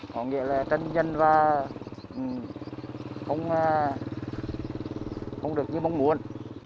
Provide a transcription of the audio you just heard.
có nghĩa là trân nhân và không được như mong muốn